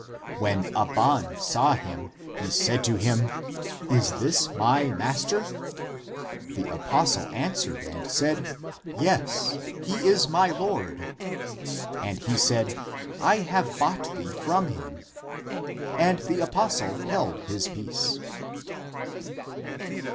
When Abban saw him, he said to him, "Is this thy master?" The apostle an swered and said, " Yes, he is my Lord." And he said, " I have bought thee from him." And the apostle held his peace.